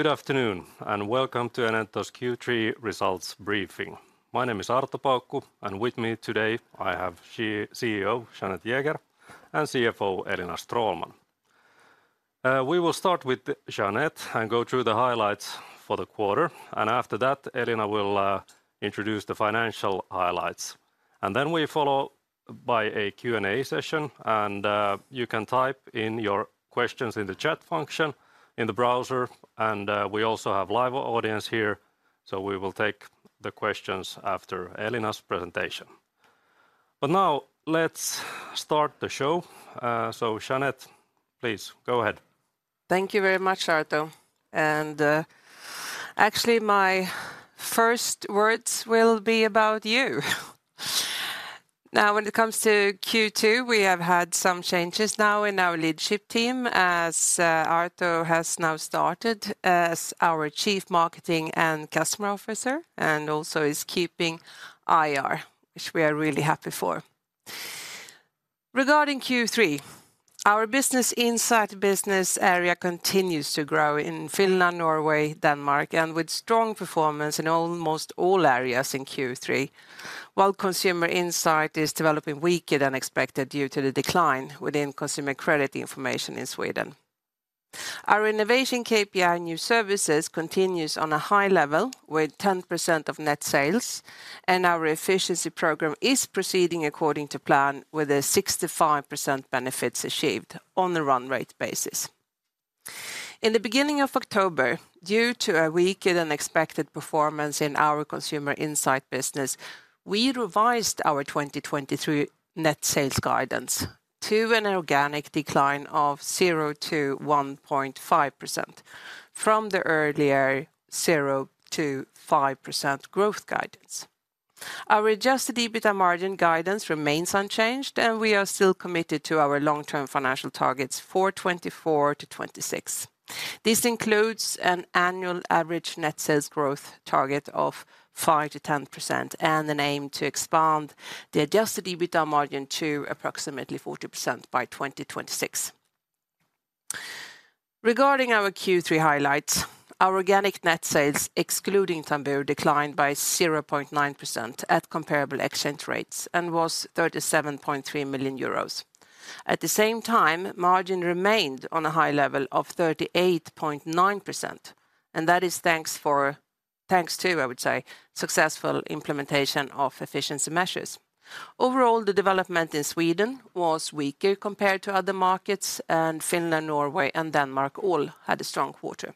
Good afternoon, and welcome to Enento's Q3 results briefing. My name is Arto Paukku, and with me today, I have CEO Jeanette Jäger, and CFO Elina Stråhlman. We will start with Jeanette and go through the highlights for the quarter, and after that, Elina will introduce the financial highlights. Then we follow by a Q&A session, and you can type in your questions in the chat function in the browser, and we also have live audience here, so we will take the questions after Elina's presentation. Now, let's start the show. So Jeanette, please, go ahead. Thank you very much, Arto, and actually, my first words will be about you. Now, when it comes to Q2, we have had some changes now in our leadership team, as Arto has now started as our Chief Marketing and Customer Officer, and also is keeping IR, which we are really happy for. Regarding Q3, our business inside business area continues to grow in Finland, Norway, Denmark, and with strong performance in almost all areas in Q3, while consumer insight is developing weaker than expected due to the decline within consumer credit information in Sweden. Our innovation KPI new services continues on a high level, with 10% of net sales, and our efficiency program is proceeding according to plan, with 65% benefits achieved on a run rate basis. In the beginning of October, due to a weaker than expected performance in our consumer insight business, we revised our 2023 net sales guidance to an organic decline of 0%-1.5%, from the earlier 0%-5% growth guidance. Our adjusted EBITDA margin guidance remains unchanged, and we are still committed to our long-term financial targets for 2024-2026. This includes an annual average net sales growth target of 5%-10%, and an aim to expand the adjusted EBITDA margin to approximately 40% by 2026. Regarding our Q3 highlights, our organic net sales, excluding Tambur, declined by 0.9% at comparable exchange rates, and was 37.3 million euros. At the same time, margin remained on a high level of 38.9%, and that is thanks to, I would say, successful implementation of efficiency measures. Overall, the development in Sweden was weaker compared to other markets, and Finland, Norway, and Denmark all had a strong quarter.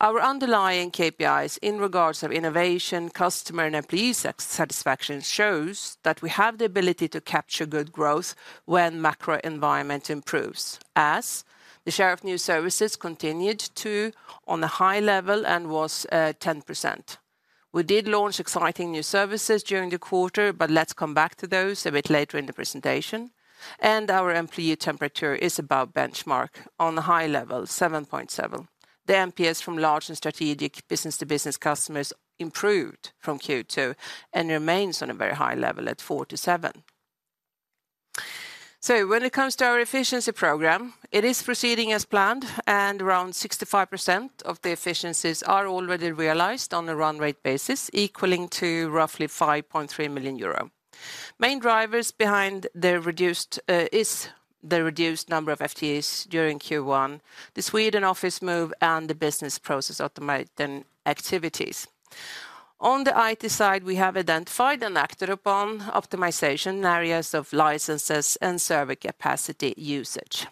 Our underlying KPIs in regards of innovation, customer, and employee satisfaction shows that we have the ability to capture good growth when macro environment improves, as the share of new services continued to on a high level and was 10%. We did launch exciting new services during the quarter, but let's come back to those a bit later in the presentation. Our employee temperature is above benchmark on a high level, 7.7. The NPS from large and strategic business to business customers improved from Q2 and remains on a very high level at 47. So when it comes to our efficiency program, it is proceeding as planned, and around 65% of the efficiencies are already realized on a run rate basis, equaling to roughly 5.3 million euro. Main drivers behind the reduced is the reduced number of FTEs during Q1, the Sweden office move, and the business process automation activities. On the IT side, we have identified and acted upon optimization areas of licenses and server capacity usage.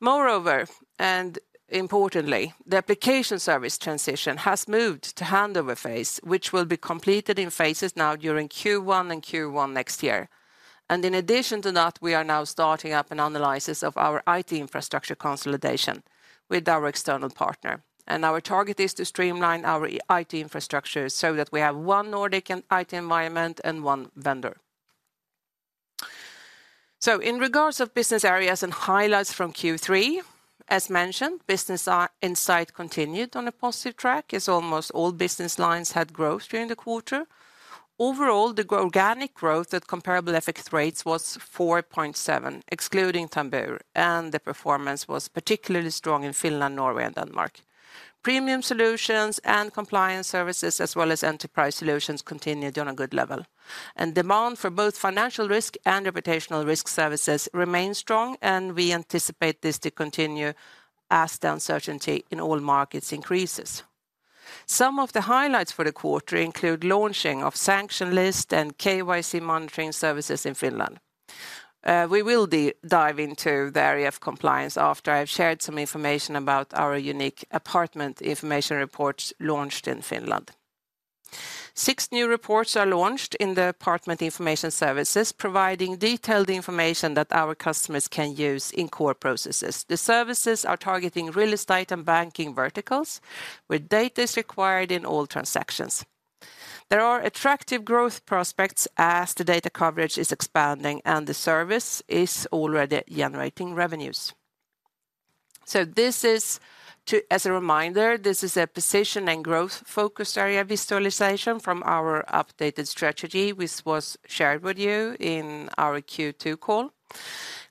Moreover, and importantly, the application service transition has moved to handover phase, which will be completed in phases now during Q1 and Q1 next year. And in addition to that, we are now starting up an analysis of our IT infrastructure consolidation with our external partner, and our target is to streamline our IT infrastructure so that we have one Nordic and IT environment and one vendor. So in regards to business areas and highlights from Q3, as mentioned, business insight continued on a positive track, as almost all business lines had growth during the quarter. Overall, the organic growth at comparable FX rates was 4.7%, excluding Tambur, and the performance was particularly strong in Finland, Norway, and Denmark. Premium solutions and compliance services, as well as enterprise solutions, continued on a good level. Demand for both financial risk and reputational risk services remained strong, and we anticipate this to continue as the uncertainty in all markets increases. Some of the highlights for the quarter include launching of sanction list and KYC monitoring services in Finland. We will dive into the area of compliance after I've shared some information about our unique apartment information reports launched in Finland. Six new reports are launched in the apartment information services, providing detailed information that our customers can use in core processes. The services are targeting real estate and banking verticals, where data is required in all transactions. There are attractive growth prospects as the data coverage is expanding and the service is already generating revenues. So this is, as a reminder, a position and growth-focused area visualization from our updated strategy, which was shared with you in our Q2 call.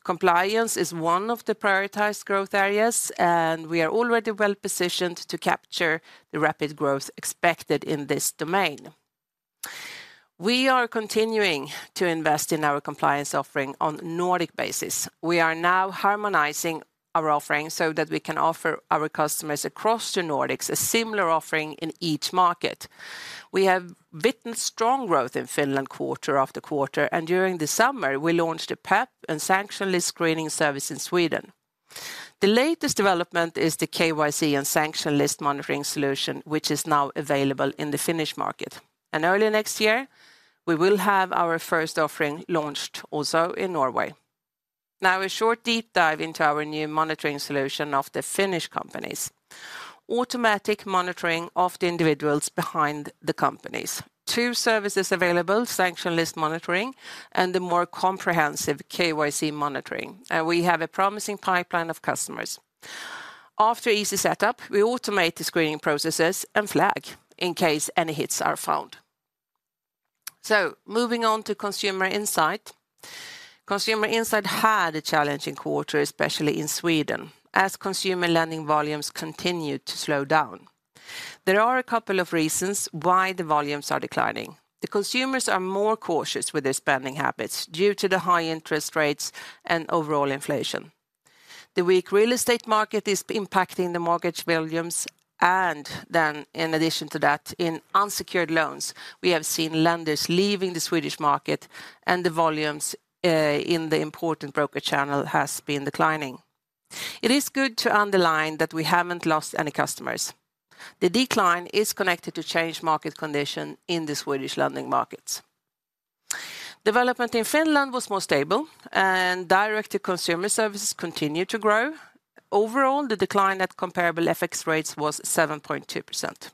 Compliance is one of the prioritized growth areas, and we are already well-positioned to capture the rapid growth expected in this domain. We are continuing to invest in our compliance offering on a Nordic basis. We are now harmonizing our offering so that we can offer our customers across the Nordics a similar offering in each market. We have witnessed strong growth in Finland, quarter after quarter, and during the summer, we launched a PEP and sanction list screening service in Sweden. The latest development is the KYC and sanction list monitoring solution, which is now available in the Finnish market, and early next year, we will have our first offering launched also in Norway. Now, a short deep dive into our new monitoring solution of the Finnish companies. Automatic monitoring of the individuals behind the companies. Two services available, sanction list monitoring, and the more comprehensive KYC monitoring, and we have a promising pipeline of customers. After easy setup, we automate the screening processes and flag in case any hits are found. So moving on to consumer insight. Consumer insight had a challenging quarter, especially in Sweden, as consumer lending volumes continued to slow down. There are a couple of reasons why the volumes are declining. The consumers are more cautious with their spending habits due to the high interest rates and overall inflation. The weak real estate market is impacting the mortgage volumes, and then in addition to that, in unsecured loans, we have seen lenders leaving the Swedish market, and the volumes in the important broker channel has been declining. It is good to underline that we haven't lost any customers. The decline is connected to changed market condition in the Swedish lending markets. Development in Finland was more stable, and direct-to-consumer services continued to grow. Overall, the decline at comparable FX rates was 7.2%.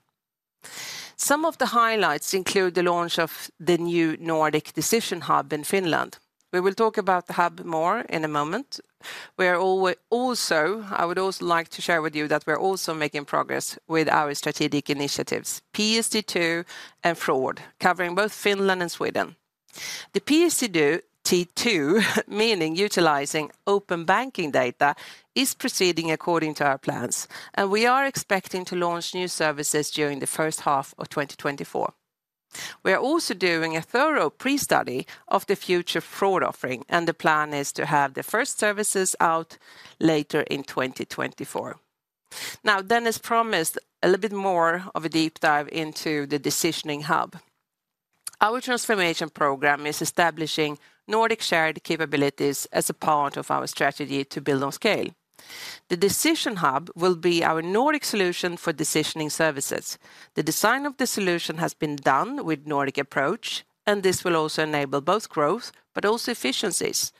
Some of the highlights include the launch of the new Nordic Decision Hub in Finland. We will talk about the hub more in a moment. I would also like to share with you that we're also making progress with our strategic initiatives, PSD2 and fraud, covering both Finland and Sweden. The PSD2, meaning utilizing open banking data, is proceeding according to our plans, and we are expecting to launch new services during the first half of 2024. We are also doing a thorough pre-study of the future fraud offering, and the plan is to have the first services out later in 2024. Now, as promised, a little bit more of a deep dive into the decisioning hub. Our transformation program is establishing Nordic shared capabilities as a part of our strategy to build on scale. The decision hub will be our Nordic solution for decisioning services. The design of the solution has been done with Nordic approach, and this will also enable both growth but also efficiencies,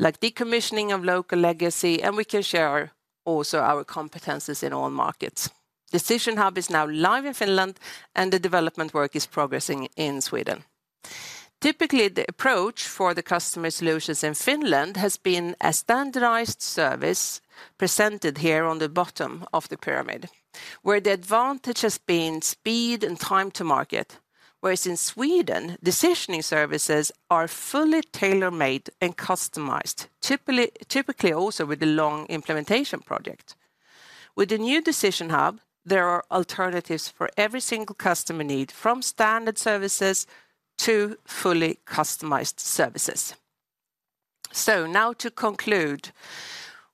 like decommissioning of local legacy, and we can share our, also our competencies in all markets. Decision hub is now live in Finland, and the development work is progressing in Sweden. Typically, the approach for the customer solutions in Finland has been a standardized service presented here on the bottom of the pyramid, where the advantage has been speed and time to market, whereas in Sweden, decisioning services are fully tailor-made and customized, typically also with a long implementation project. With the new decision hub, there are alternatives for every single customer need, from standard services to fully customized services. So now to conclude,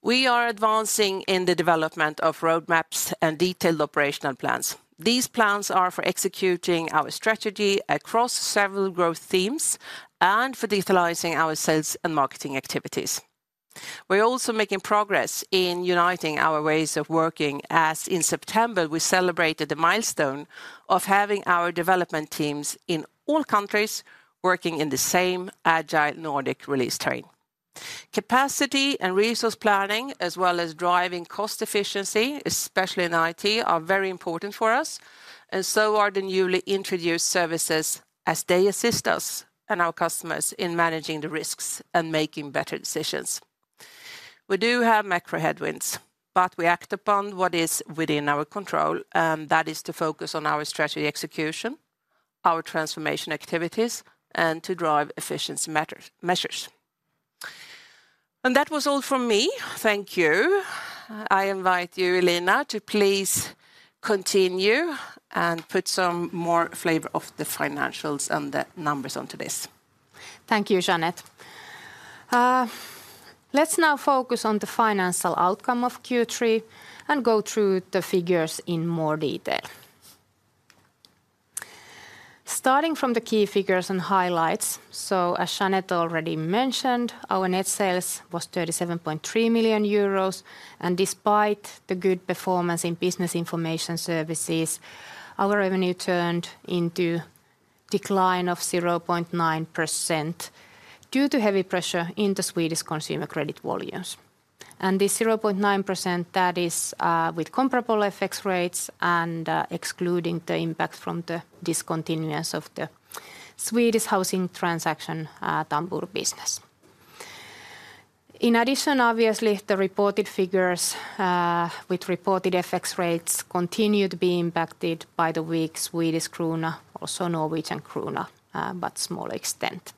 we are advancing in the development of roadmaps and detailed operational plans. These plans are for executing our strategy across several growth themes and for digitalizing our sales and marketing activities. We're also making progress in uniting our ways of working, as in September, we celebrated the milestone of having our development teams in all countries working in the same agile Nordic release train. Capacity and resource planning, as well as driving cost efficiency, especially in IT, are very important for us, and so are the newly introduced services, as they assist us and our customers in managing the risks and making better decisions. We do have macro headwinds, but we act upon what is within our control, and that is to focus on our strategy execution, our transformation activities, and to drive efficiency measures. That was all from me. Thank you. I invite you, Elina, to please continue and put some more flavor of the financials and the numbers onto this. Thank you, Jeanette. Let's now focus on the financial outcome of Q3 and go through the figures in more detail. Starting from the key figures and highlights, so as Jeanette already mentioned, our net sales was 37.3 million euros, and despite the good performance in business information services, our revenue turned into decline of 0.9% due to heavy pressure in the Swedish consumer credit volumes. And the 0.9%, that is, with comparable FX rates and, excluding the impact from the discontinuance of the Swedish housing transaction, Tambur business. In addition, obviously, the reported figures, with reported FX rates continued to be impacted by the weak Swedish krona, also Norwegian krona, but smaller extent.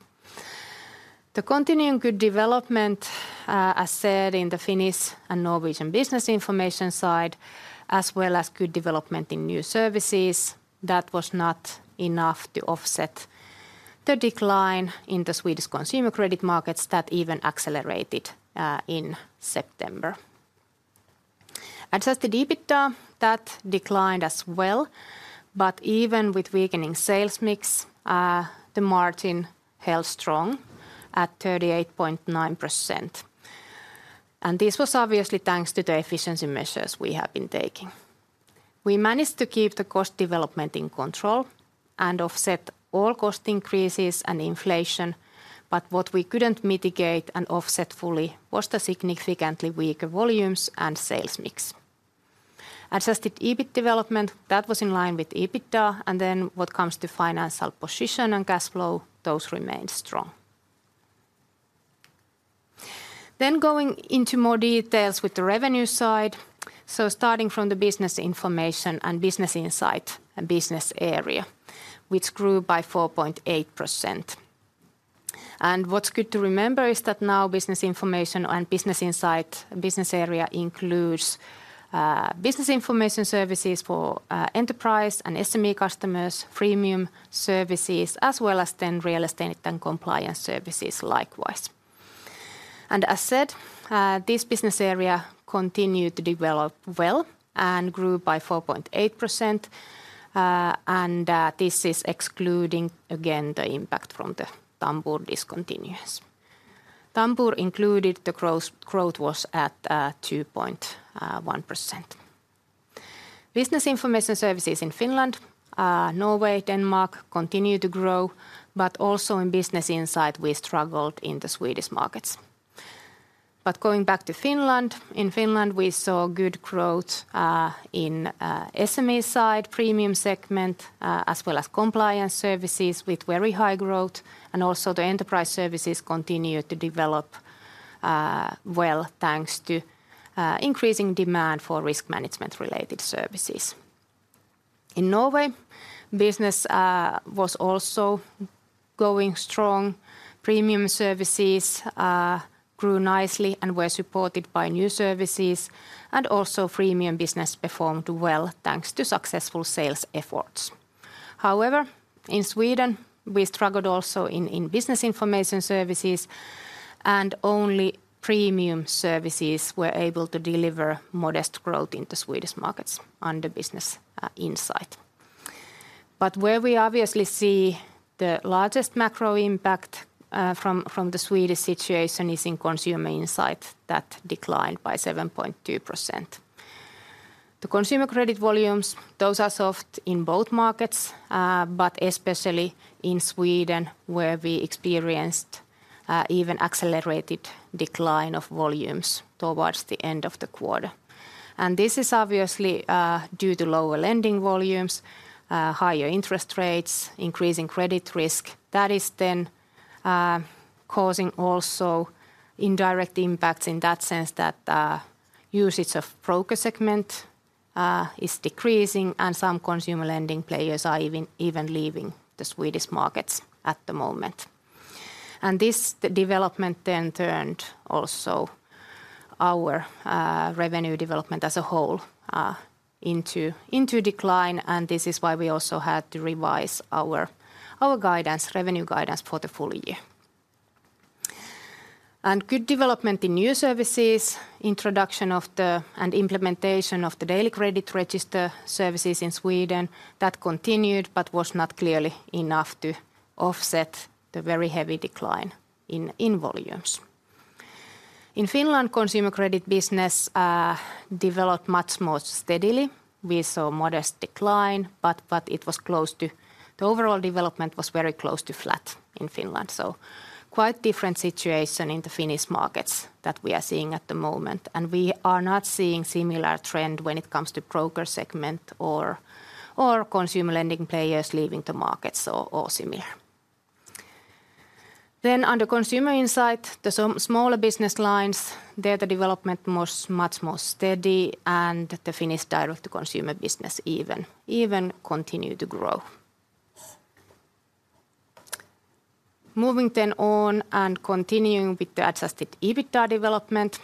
The continuing good development, as said in the Finnish and Norwegian business information side, as well as good development in new services, that was not enough to offset the decline in the Swedish consumer credit markets that even accelerated, in September. Adjusted EBITDA, that declined as well, but even with weakening sales mix, the margin held strong at 38.9%. And this was obviously thanks to the efficiency measures we have been taking. We managed to keep the cost development in control and offset all cost increases and inflation, but what we couldn't mitigate and offset fully was the significantly weaker volumes and sales mix. Adjusted EBIT development, that was in line with EBITDA, and then what comes to financial position and cash flow, those remained strong. Then going into more details with the revenue side, so starting from the business information and business insight business area, which grew by 4.8%. And what's good to remember is that now business information and business insight business area includes business information services for enterprise and SME customers, premium services, as well as then real estate and compliance services likewise. And as said, this business area continued to develop well and grew by 4.8%, and this is excluding, again, the impact from the Tambur discontinuance. Tambur included, the gross growth was at 2.1%. Business information services in Finland, Norway, Denmark continue to grow, but also in business insight, we struggled in the Swedish markets. But going back to Finland, in Finland, we saw good growth in SME side, premium segment, as well as compliance services with very high growth, and also the enterprise services continued to develop well, thanks to increasing demand for risk management related services. In Norway, business was also going strong. Premium services grew nicely and were supported by new services, and also freemium business performed well, thanks to successful sales efforts. However, in Sweden, we struggled also in business information services, and only premium services were able to deliver modest growth in the Swedish markets on the business insight. But where we obviously see the largest macro impact from the Swedish situation is in consumer insight that declined by 7.2%. The consumer credit volumes, those are soft in both markets, but especially in Sweden, where we experienced even accelerated decline of volumes towards the end of the quarter. This is obviously due to lower lending volumes, higher interest rates, increasing credit risk. That is then causing also indirect impacts in that sense that usage of broker segment is decreasing and some consumer lending players are even leaving the Swedish markets at the moment. This, the development then turned also our revenue development as a whole into decline, and this is why we also had to revise our guidance, revenue guidance for the full year. And good development in new services, introduction and implementation of the daily credit register services in Sweden, that continued but was not clearly enough to offset the very heavy decline in volumes. In Finland, consumer credit business developed much more steadily. We saw modest decline, but it was close to the overall development was very close to flat in Finland, so quite different situation in the Finnish markets that we are seeing at the moment. And we are not seeing similar trend when it comes to broker segment or consumer lending players leaving the markets or similar. Then on the consumer insight, the so- smaller business lines, there the development was much more steady, and the Finnish Direct Consumer business even continued to grow. Moving then on and continuing with the adjusted EBITDA development.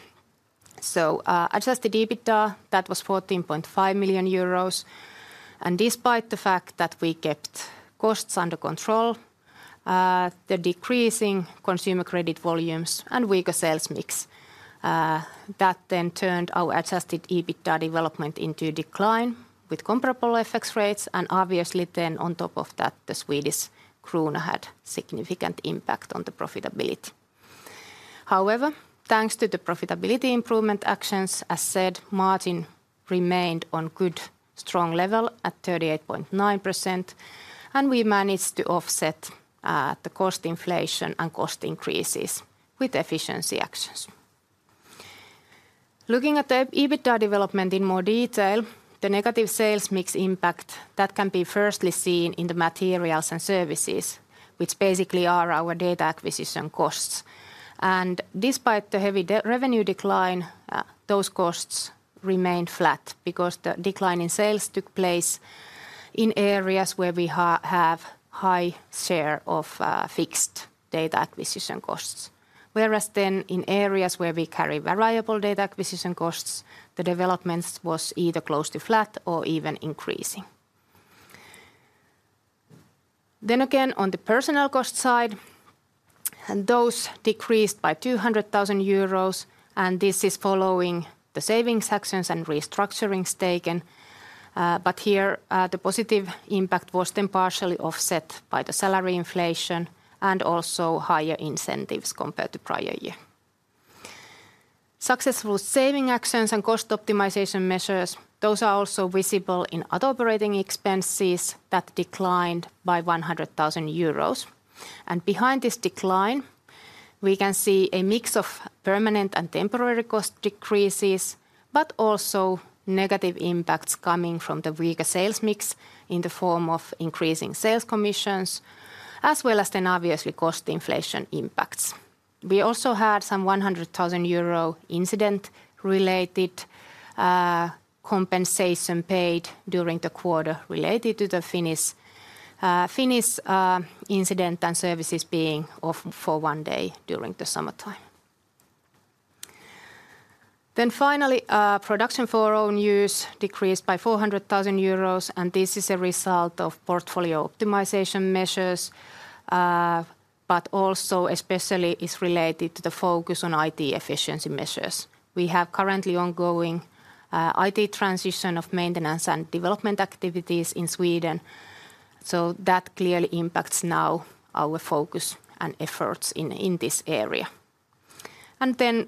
So, adjusted EBITDA, that was 14.5 million euros, and despite the fact that we kept costs under control, the decreasing consumer credit volumes and weaker sales mix, that then turned our adjusted EBITDA development into decline with comparable FX rates, and obviously then on top of that, the Swedish krona had significant impact on the profitability. However, thanks to the profitability improvement actions, as said, margin remained on good, strong level at 38.9%, and we managed to offset the cost inflation and cost increases with efficiency actions. Looking at the EBITDA development in more detail, the negative sales mix impact, that can be firstly seen in the materials and services, which basically are our data acquisition costs. Despite the heavy revenue decline, those costs remain flat because the decline in sales took place in areas where we have high share of fixed data acquisition costs. Whereas then in areas where we carry variable data acquisition costs, the developments was either close to flat or even increasing. Then again, on the personnel cost side, those decreased by 200,000 euros, and this is following the savings actions and restructurings taken. But here, the positive impact was then partially offset by the salary inflation and also higher incentives compared to prior year. Successful saving actions and cost optimization measures, those are also visible in other operating expenses that declined by 100,000 euros. Behind this decline, we can see a mix of permanent and temporary cost decreases, but also negative impacts coming from the weaker sales mix in the form of increasing sales commissions, as well as then obviously cost inflation impacts. We also had some 100,000 euro incident-related compensation paid during the quarter related to the Finnish incident and services being off for one day during the summertime. Finally, production for our own use decreased by 400,000 euros, and this is a result of portfolio optimization measures, but also especially is related to the focus on IT efficiency measures. We have currently ongoing IT transition of maintenance and development activities in Sweden, so that clearly impacts now our focus and efforts in this area. And then,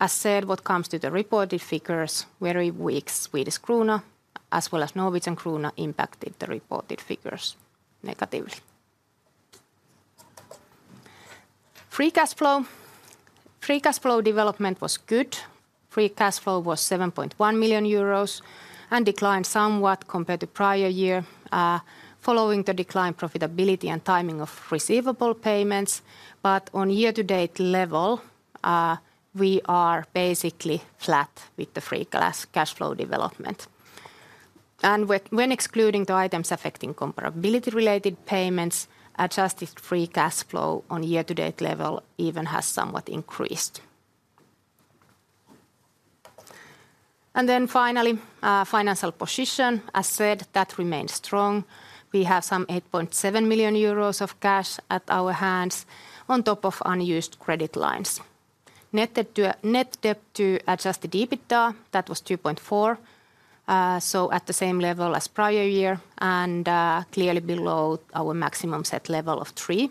as said, what comes to the reported figures, very weak Swedish krona as well as Norwegian krone impacted the reported figures negatively. Free cash flow. Free cashflow development was good. Free cash flow was 7.1 million euros and declined somewhat compared to prior year, following the decline profitability and timing of receivable payments. But on year-to-date level, we are basically flat with the free cashflow development. And when excluding the items affecting comparability related payments, adjusted free cashflow on year-to-date level even has somewhat increased. And then finally, financial position. As said, that remains strong. We have some 8.7 million euros of cash at our hands on top of unused credit lines. Net debt to adjusted EBITDA, that was 2.4x, so at the same level as prior year and, clearly below our maximum set level of 3x.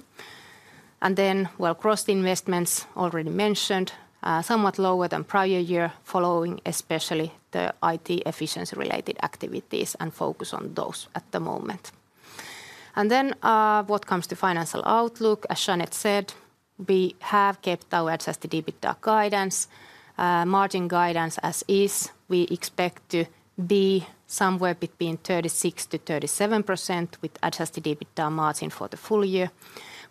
And then, well, gross investments, already mentioned, somewhat lower than prior year, following especially the IT efficiency-related activities and focus on those at the moment. And then, what comes to financial outlook, as Jeanette said, we have kept our adjusted EBITDA guidance. Margin guidance as is, we expect to be somewhere between 36%-37% with adjusted EBITDA margin for the full year.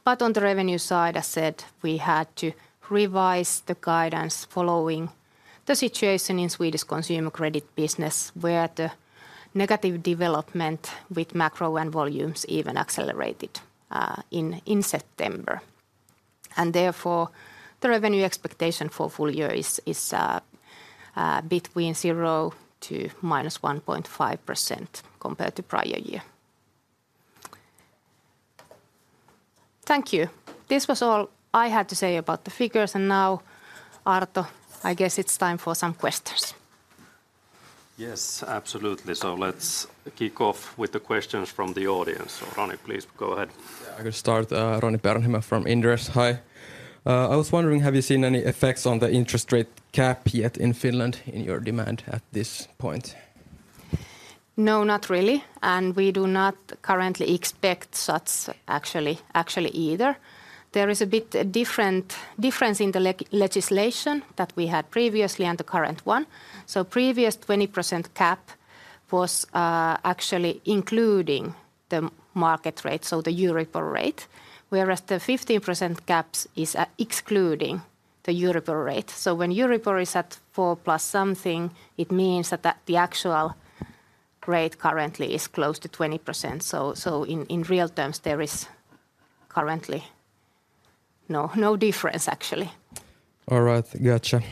But on the revenue side, as said, we had to revise the guidance following the situation in Swedish consumer credit business, where the negative development with macro and volumes even accelerated, in September. Therefore, the revenue expectation for full year is between 0%-1.5% compared to prior year. Thank you. This was all I had to say about the figures, and now, Arto, I guess it's time for some questions. Yes, absolutely. Let's kick off with the questions from the audience. Roni, please go ahead. Yeah, I could start, Roni Peuranheimo from Inderes. Hi. I was wondering, have you seen any effects on the interest rate cap yet in Finland in your demand at this point? No, not really, and we do not currently expect such, actually, either. There is a bit of a difference in the legislation that we had previously and the current one. So previous 20% cap was, actually, including the market rate, so the Euribor rate, whereas the 15% cap is, excluding the Euribor rate. So when Euribor is at 4+ something, it means that the actual rate currently is close to 20%. So in real terms, there is currently no difference, actually. All right. Gotcha.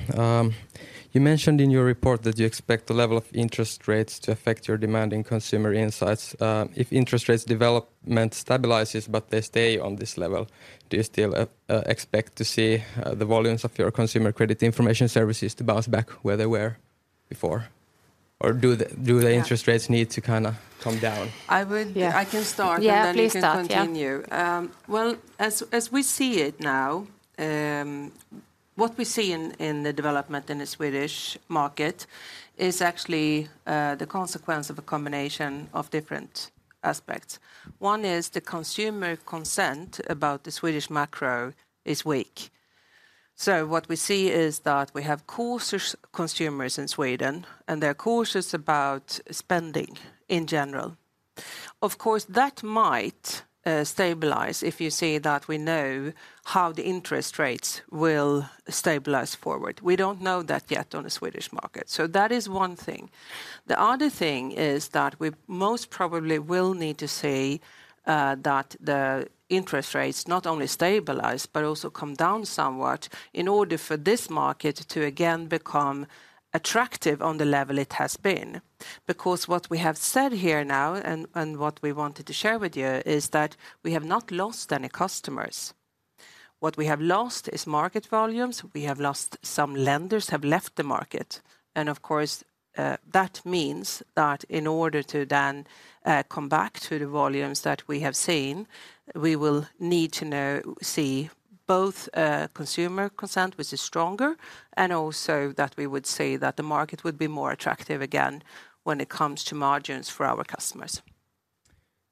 You mentioned in your report that you expect the level of interest rates to affect your demand in consumer insights. If interest rates development stabilizes, but they stay on this level, do you still expect to see the volumes of your consumer credit information services to bounce back where they were before? Or do the do the interest rates need to kind of come down? I would, I can start. Yeah, please start. Yeah And then you can continue. Well, as we see it now, what we see in the development in the Swedish market is actually the consequence of a combination of different aspects. One is the consumer confidence about the Swedish macro is weak. So what we see is that we have cautious consumers in Sweden, and they're cautious about spending in general. Of course, that might stabilize if you see that we know how the interest rates will stabilize forward. We don't know that yet on the Swedish market. So that is one thing. The other thing is that we most probably will need to see that the interest rates not only stabilize, but also come down somewhat in order for this market to again become attractive on the level it has been. Because what we have said here now, and what we wanted to share with you, is that we have not lost any customers. What we have lost is market volumes, we have lost some lenders have left the market, and of course, that means that in order to then, come back to the volumes that we have seen, we will need to know. See both, consumer consent, which is stronger, and also that we would say that the market would be more attractive again when it comes to margins for our customers.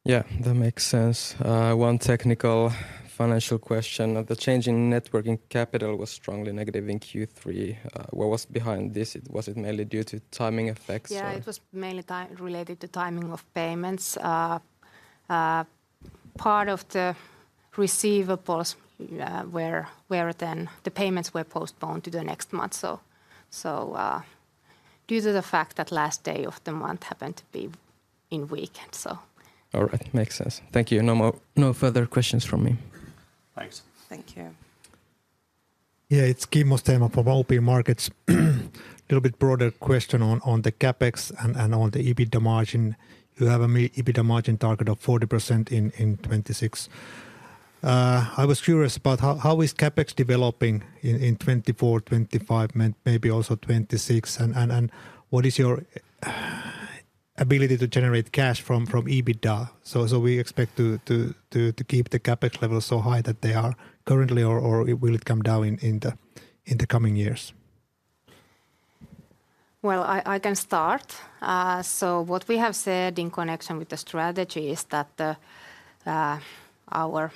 Yeah, that makes sense. One technical financial question. Of the change in net working capital was strongly negative in Q3. What was behind this? Was it mainly due to timing effects or- Yeah, it was mainly related to timing of payments. Part of the receivables were then the payments were postponed to the next month. So, due to the fact that last day of the month happened to be in weekend, so. All right. Makes sense. Thank you. No further questions from me. Thanks. Thank you. Yeah, it's Kimmo Stenvall from OP Markets. Little bit broader question on the CapEx and on the EBITDA margin. You have a EBITDA margin target of 40% in 2026. I was curious about how CapEx is developing in 2024, 2025, maybe also 2026? And what is your ability to generate cash from EBITDA? So we expect to keep the CapEx level so high that they are currently or will it come down in the coming years? Well, I can start. So what we have said in connection with the strategy is that our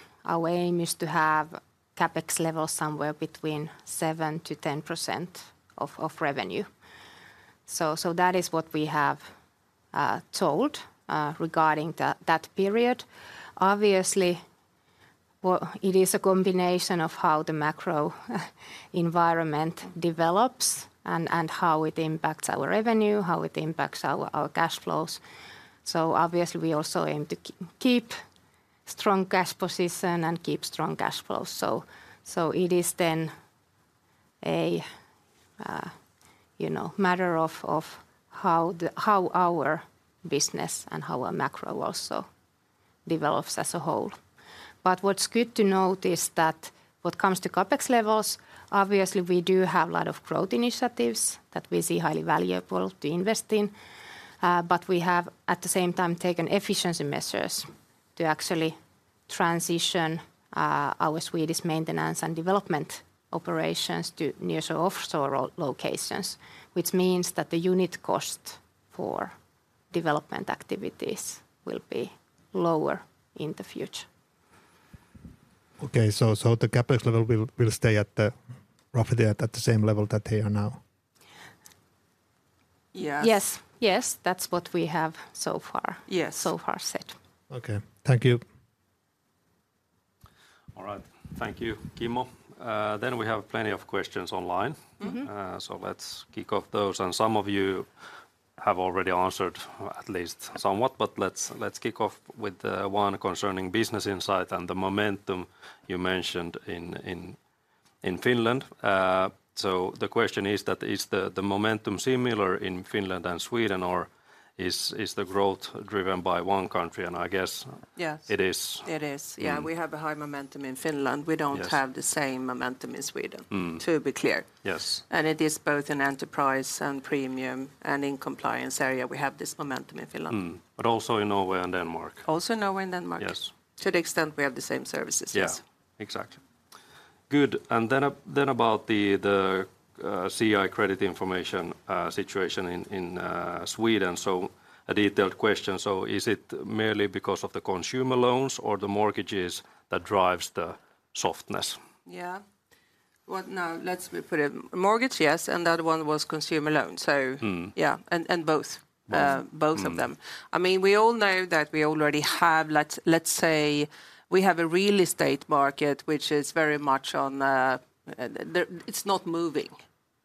aim is to have CapEx level somewhere between 7%-10% of revenue. So that is what we have told regarding that period. Obviously, well, it is a combination of how the macro environment develops and how it impacts our revenue, how it impacts our cash flows. So obviously, we also aim to keep strong cash position and keep strong cash flow. So it is then a, you know, matter of how our business and how our macro also develops as a whole. But what's good to note is that what comes to CapEx levels, obviously, we do have a lot of growth initiatives that we see highly valuable to invest in. We have, at the same time, taken efficiency measures to actually transition our Swedish maintenance and development operations to near offshore locations, which means that the unit cost for development activities will be lower in the future. Okay, so the CapEx level will stay at roughly the same level that they are now? Yes. Yes. Yes, that's what we have so far. Yes so far said. Okay. Thank you. All right. Thank you, Kimmo. Then we have plenty of questions online. So let's kick off those. And some of you have already answered, at least somewhat, but let's kick off with one concerning business insight and the momentum you mentioned in Finland. So the question is that, "Is the momentum similar in Finland and Sweden, or is the growth driven by one country?" And I guess t is. It is. Yeah, we have a high momentum in Finland. Yes. We don't have the same momentum in Sweden to be clear. Yes. It is both in enterprise and premium and in compliance area. We have this momentum in Finland. But also in Norway and Denmark. Also, Norway and Denmark. Yes. To the extent we have the same services, yes. Yeah. Exactly. Good. And then then about the CI, credit information, situation in Sweden, so a detailed question: So is it merely because of the consumer loans or the mortgages that drives the softness? Yeah. Let me put it. Mortgage, yes, and the other one was consumer loans. So yeah, and, and both. Both Both of them. I mean, we all know that we already have, let's say, we have a real estate market, which is very much on the. It's not moving,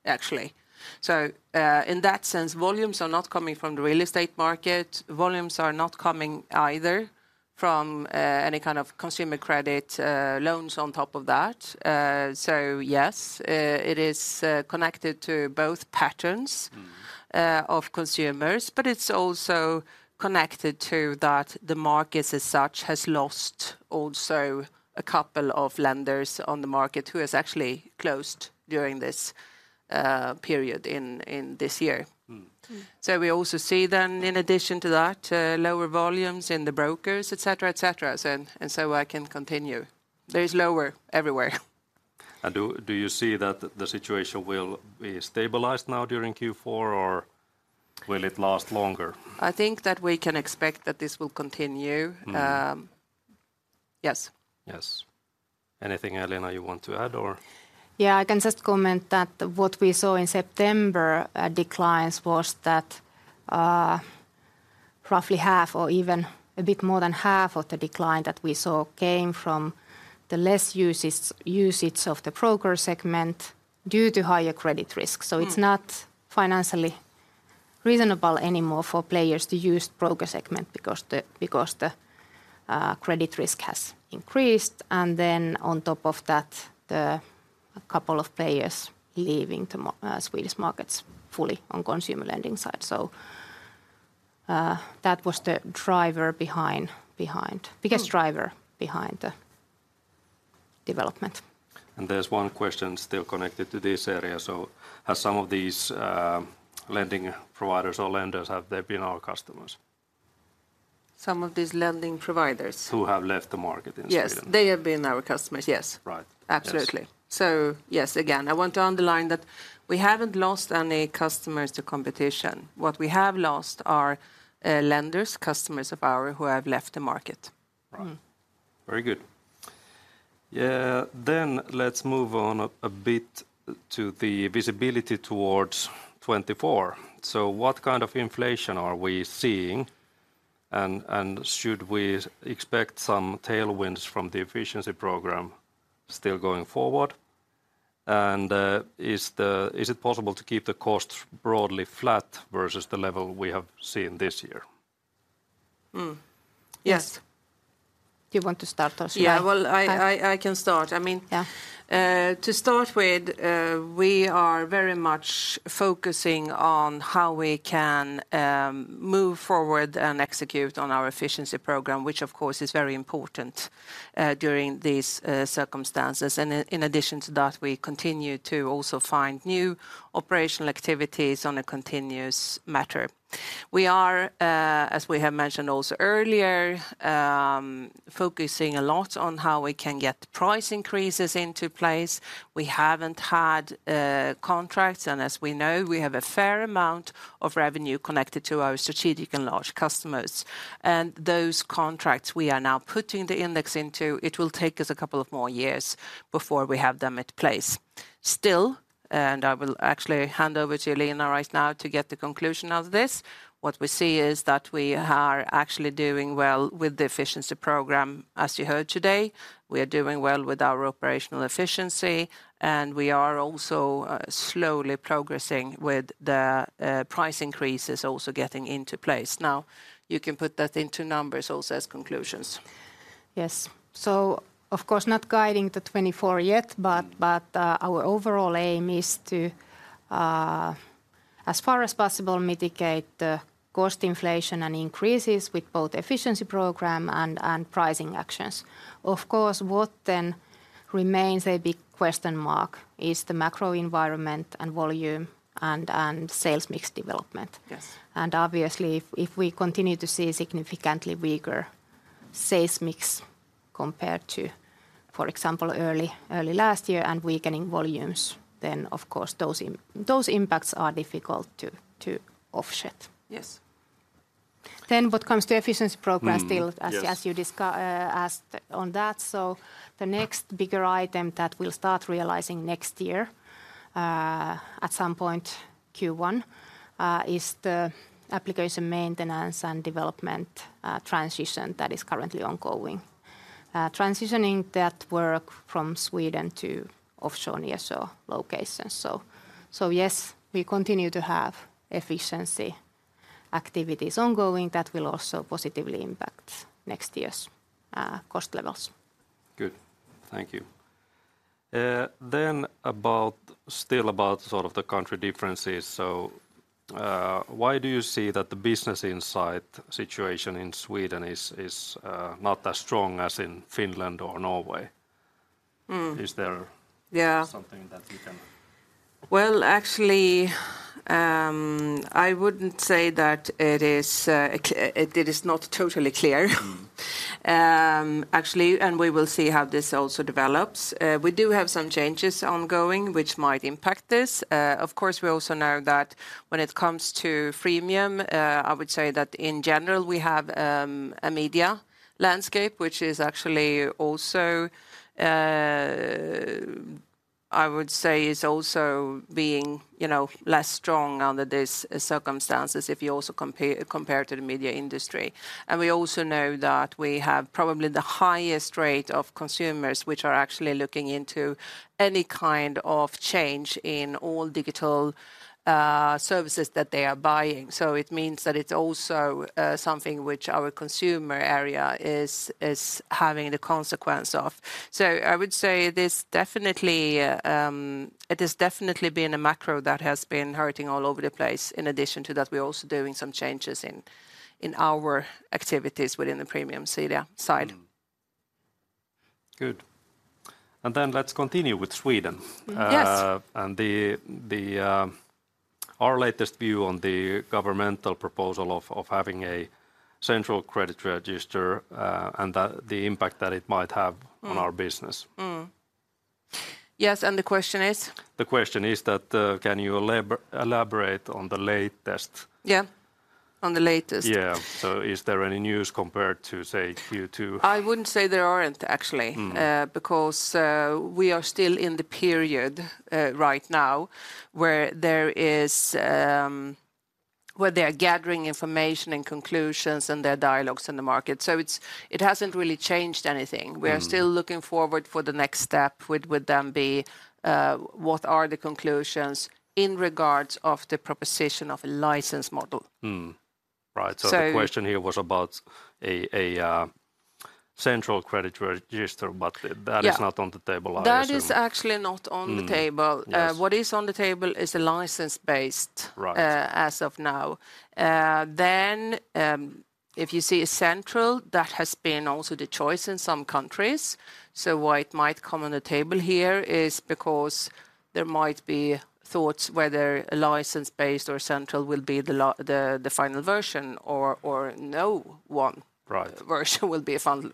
actually. So, in that sense, volumes are not coming from the real estate market. Volumes are not coming either from any kind of consumer credit loans on top of that. So yes, it is connected to both patterns of consumers, but it's also connected to that the market, as such, has lost also a couple of lenders on the market who has actually closed during this period in this year. So we also see then, in addition to that, lower volumes in the brokers, et cetera, et cetera. So, and so I can continue. There is lower everywhere. Do you see that the situation will be stabilized now during Q4, or will it last longer? I think that we can expect that this will continue. Yes. Yes. Anything, Elina, you want to add or? Yeah, I can just comment that what we saw in September, declines was that, roughly half or even a bit more than half of the decline that we saw came from the less usage of the broker segment due to higher credit risk. So it's not financially reasonable anymore for players to use broker segment because the credit risk has increased, and then on top of that, a couple of players leaving the Swedish markets fully on consumer lending side. So, that was the driver behind. Biggest driver behind the development. There's one question still connected to this area. Have some of these, lending providers or lenders, have they been our customers? Some of these lending providers? Who have left the market in Sweden? Yes, they have been our customers, yes. Right. Absolutely. Yes. Yes, again, I want to underline that we haven't lost any customers to competition. What we have lost are, lenders, customers of ours who have left the market. Right. Mm. Very good. Yeah, then let's move on a bit to the visibility towards 2024. So what kind of inflation are we seeing, and should we expect some tailwinds from the efficiency program still going forward? And, Is it possible to keep the costs broadly flat versus the level we have seen this year? Yes. Do you want to start or should I? Yeah, well, I can start. I mean. Yeah To start with, we are very much focusing on how we can move forward and execute on our efficiency program, which, of course, is very important during these circumstances. In addition to that, we continue to also find new operational activities on a continuous matter. We are, as we have mentioned also earlier, focusing a lot on how we can get price increases into place. We haven't had contracts, and as we know, we have a fair amount of revenue connected to our strategic and large customers. Those contracts, we are now putting the index into. It will take us a couple of more years before we have them at place. Still, and I will actually hand over to Elina right now to get the conclusion of this, what we see is that we are actually doing well with the efficiency program. As you heard today, we are doing well with our operational efficiency, and we are also slowly progressing with the price increases also getting into place. Now, you can put that into numbers also as conclusions. Yes. So of course, not guiding to 2024 yet, but our overall aim is to, as far as possible, mitigate the cost inflation and increases with both efficiency program and pricing actions. Of course, what then remains a big question mark is the macro environment and volume and sales mix development. Yes. And obviously, if we continue to see significantly weaker sales mix compared to, for example, early last year and weakening volumes, then of course, those impacts are difficult to offset. Yes. Then what comes to efficiency program still- Yes As you asked on that, so the next bigger item that we'll start realizing next year, at some point Q1, is the application maintenance and development transition that is currently ongoing. Transitioning that work from Sweden to offshore nearshore locations. So, so yes, we continue to have efficiency activities ongoing that will also positively impact next year's cost levels. Good. Thank you. Then about still about sort of the country differences, so, why do you see that the business insight situation in Sweden is not as strong as in Finland or Norway? Is there something that you can? Well, actually, I wouldn't say that it is, it is not totally clear. Actually, we will see how this also develops. We do have some changes ongoing, which might impact this. Of course, we also know that when it comes to freemium, I would say that in general, we have a media landscape, which is actually also I would say, is also being, you know, less strong under these circumstances if you also compare, compare to the media industry. And we also know that we have probably the highest rate of consumers, which are actually looking into any kind of change in all digital services that they are buying. So it means that it's also something which our consumer area is, is having the consequence of. So I would say there's definitely it has definitely been a macro that has been hurting all over the place. In addition to that, we're also doing some changes in our activities within the premium media side. Mm. Good. And then let's continue with Sweden. Yes. and our latest view on the governmental proposal of having a central credit register, and the impact that it might have. On our business. Yes, and the question is? The question is that, can you elaborate on the latest? Yeah, on the latest. Yeah. So is there any news compared to, say, Q2? I wouldn't say there aren't, actually. Because we are still in the period right now where they are gathering information and conclusions, and there are dialogues in the market. So it hasn't really changed anything. We are still looking forward for the next step, would then be, what are the conclusions in regards of the proposition of a license model? Right. So the question here was about a central credit register, but that is not on the table, I assume? That is actually not on the table. Yes. What is on the table is a license-based as of now. Then, if you see a central, that has been also the choice in some countries. So why it might come on the table here is because there might be thoughts whether a license-based or a central will be the final version or no one version will be a final.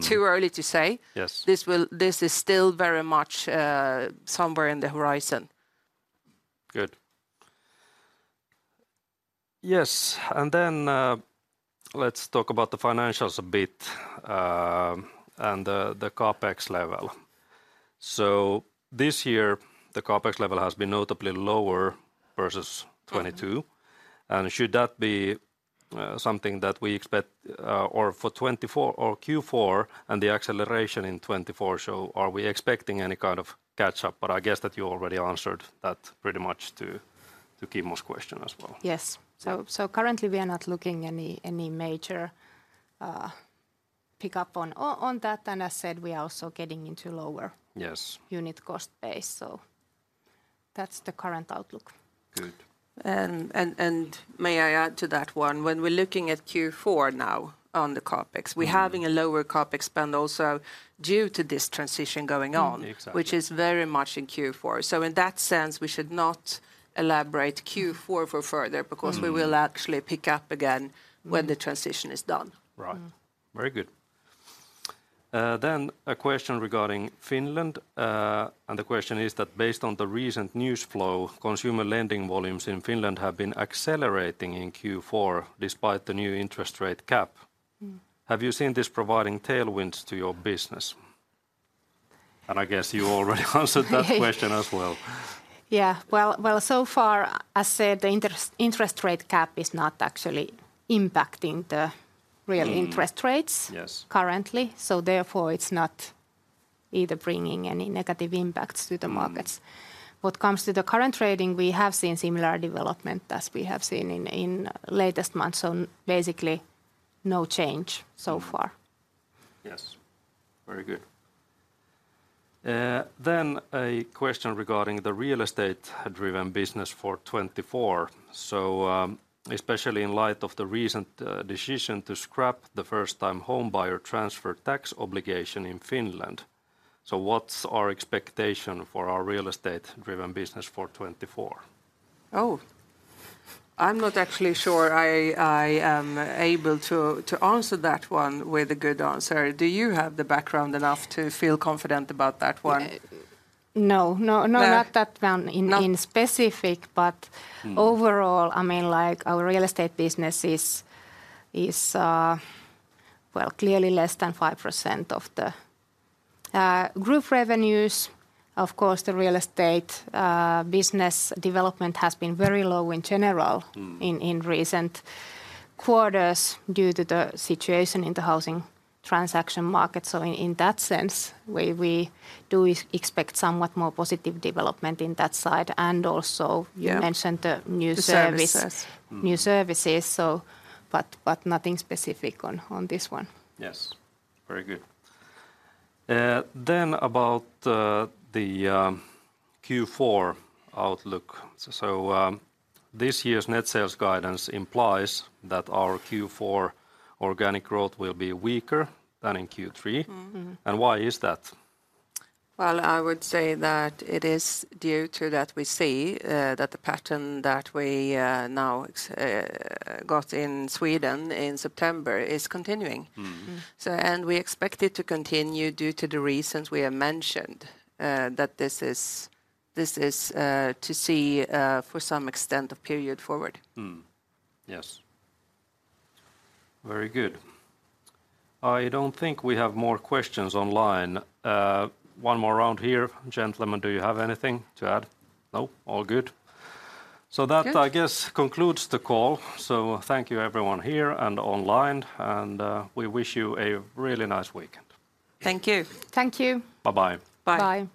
Too early to say. Yes. This is still very much, somewhere in the horizon. Good. Yes, and then, let's talk about the financials a bit, and the CapEx level. So this year, the CapEx level has been notably lower versus 2022. Should that be something that we expect or for 2024 or Q4 and the acceleration in 2024, so are we expecting any kind of catch-up? But I guess that you already answered that pretty much to Kimmo's question as well. Yes. So currently, we are not looking any major pickup on that. And as said, we are also getting into lower unit cost base, so that's the current outlook. Good. May I add to that one? When we're looking at Q4 now on the CapEx we're having a lower CapEx spend also due to this transition going on. Exactly Which is very much in Q4. So, in that sense, we should not elaborate Q4 for further because we will actually pick up again when the transition is done. Right. Very good. A question regarding Finland. The question is that based on the recent news flow, consumer lending volumes in Finland have been accelerating in Q4 despite the new interest rate cap. Have you seen this providing tailwinds to your business? I guess you already answered that question as well. Yeah. Well, so far, as said, the interest rate cap is not actually impacting the real interest rates. Yes Currently. So therefore, it's not either bringing any negative impacts to the markets. What comes to the current trading, we have seen similar development as we have seen in latest months, so basically, no change so far. Yes. Very good. Then a question regarding the real estate-driven business for 2024. So, especially in light of the recent decision to scrap the first-time homebuyer transfer tax obligation in Finland, so what's our expectation for our real estate-driven business for 2024? Oh, I'm not actually sure I am able to answer that one with a good answer. Do you have the background enough to feel confident about that one? No. No, not that one in specific but overall, I mean, like, our real estate business is well, clearly less than 5% of the Group revenues. Of course, the real estate business development has been very low in general. In recent quarters due to the situation in the housing transaction market. So in that sense, we do expect somewhat more positive development in that side, and also- Yeah You mentioned the new service. The services New services, so but nothing specific on this one. Yes. Very good. Then about the Q4 outlook. So, this year's net sales guidance implies that our Q4 organic growth will be weaker than in Q3. Why is that? Well, I would say that it is due to that we see that the pattern that we now got in Sweden in September is continuing. We expect it to continue due to the reasons we have mentioned, that this is to see for some extent of period forward. Yes. Very good. I don't think we have more questions online. One more round here. Gentlemen, do you have anything to add? No, all good? Good. That, I guess, concludes the call, so thank you everyone here and online, and we wish you a really nice weekend. Thank you. Thank you. Bye-bye. Bye. Bye.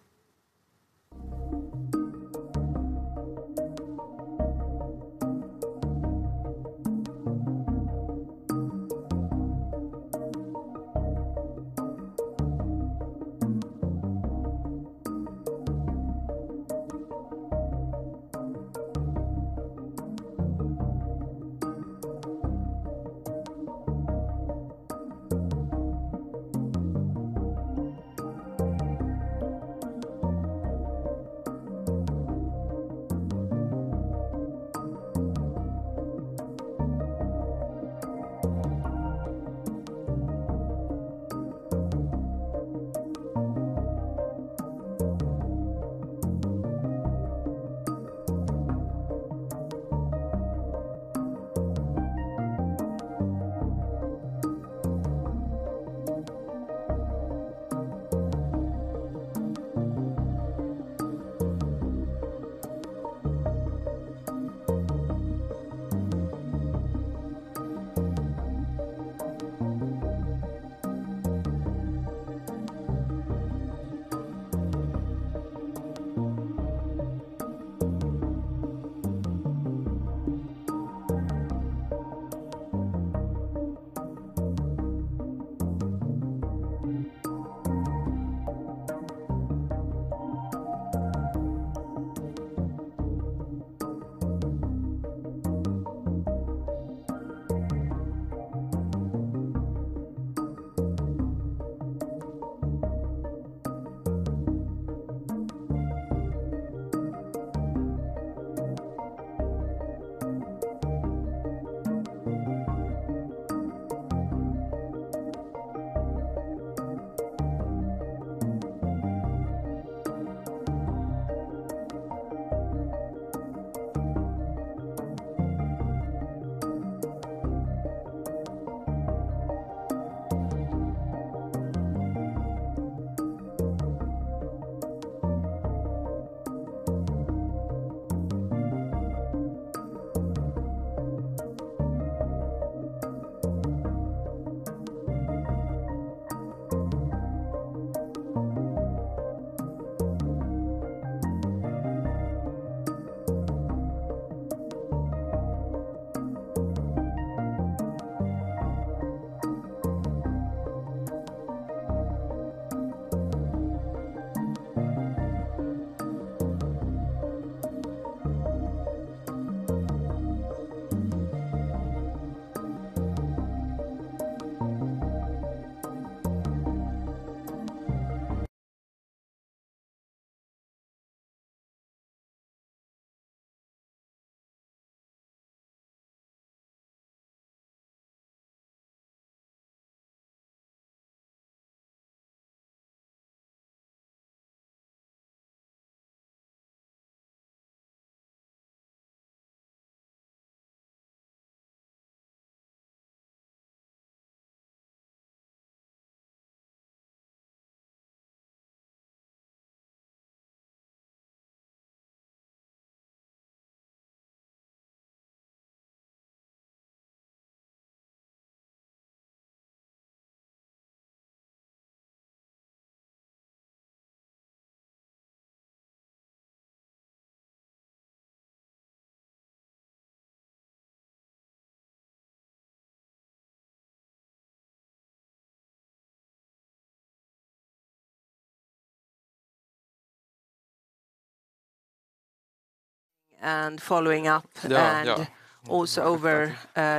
And following up. Yeah, yeah. Also over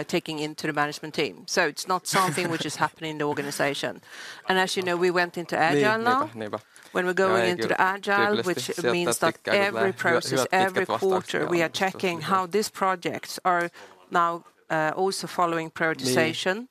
taking into the management team. So it's not something which is happening in the organization. As you know, we went into Agile now. When we're going into the Agile, which means that every process, every quarter, we are checking how these projects are now also following prioritization.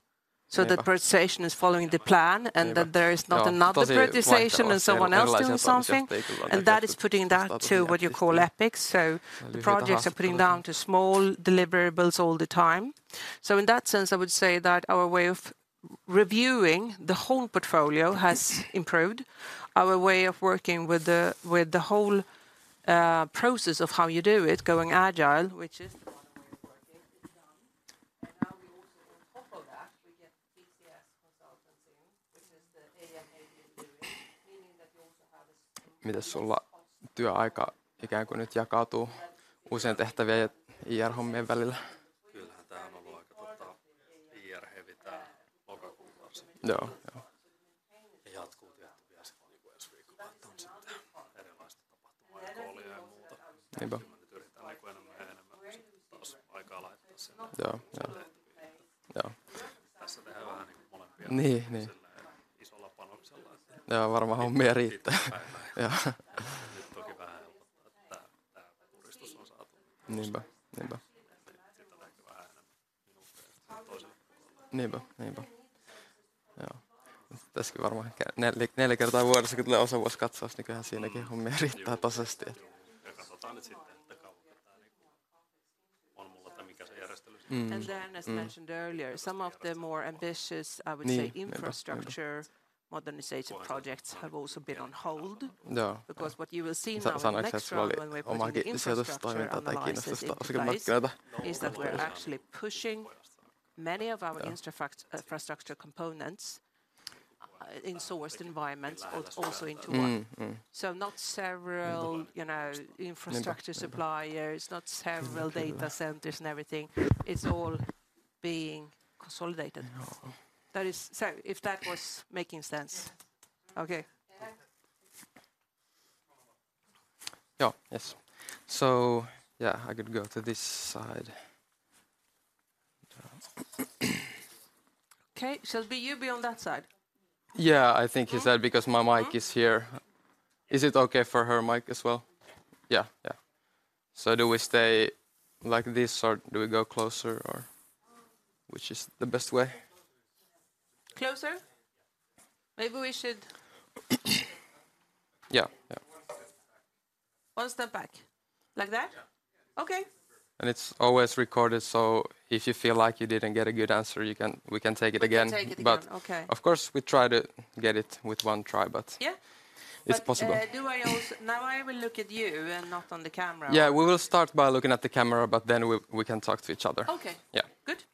So the prioritization is following the plan, and that there is not another prioritization and someone else doing something, and that is putting that to what you call epics. So the projects are putting down to small deliverables all the time. So in that sense, I would say that our way of reviewing the whole portfolio has improved. Our way of working with the whole process of how you do it, going agile, which is the one way of working, is done. Now we also on top of that, we get TCS consultancy, which is the ADM delivery, meaning that you also have a- Mites sulla työaika ikään kuin nyt jakautuu usean tehtävien ja IR-hommien välillä? Kyllähän tää on ollut aika IR-hevi tää lokakuu varsinkin. Joo, joo. Ja jatkuu tietty vielä sit niinku ens viikolla, että on sitten erilaista tapahtumaa ja koolia ja muuta. Niinpä. Kyllä, mä nyt yritän, niinku, enemmän ja enemmän sit taas aikaa laittaa siihen. Joo, joo. Joo. Tässä tehdään vähän niinku molempia- Niin, niin -isolla panoksella. Joo, varmaan hommia riittää. Joo. Nyt toki vähän helpottaa, että tää puristus on saatu. Niinpä, niinpä. Sitä on ehkä vähän enemmän minuutteja toisella puolella. Niinpä, niinpä. Joo. Tässäkin varmaan ehkä 4 kertaa vuodessakin tulee osavuosikatsaus, niin kyllähän siinäkin hommia riittää tosesti, et. Juu, ja katsotaan nyt sitten, että kauan tätä niinku on mulla tai mikä se järjestely sitten- And then, as mentioned earlier, some of the more ambitious, I would say, infrastructure modernization projects have also been on hold. Joo. Because what you will see now when we're putting infrastructure analysis in place, is that we're actually pushing many of our infrastructure components in insourced environments, also into one. So, not several, you know, infrastructure suppliers, not several data centers and everything. It's all being consolidated. That is. So, if that was making sense? Okay. Joo, yes. So yeah, I could go to this side. Okay. So be you be on that side. Yeah, I think is that because my mic is here. Is it okay for her mic as well? Yeah, yeah. So do we stay like this, or do we go closer, or which is the best way? Closer? Maybe we should. Yeah, yeah. One step back. Like that? Yeah. Okay. It's always recorded, so if you feel like you didn't get a good answer, you can, we can take it again. We can take it again, okay. Of course, we try to get it with one try, but- Yeah. It's possible. But do I also. Now, I will look at you and not on the camera. Yeah, we will start by looking at the camera, but then we can talk to each other. Okay. Yeah. Good?